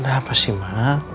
kenapa sih ma